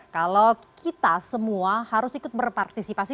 kalau kita semua harus ikut berpartisipasi